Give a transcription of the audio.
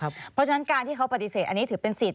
เพราะฉะนั้นการที่เขาปฏิเสธอันนี้ถือเป็นสิทธิ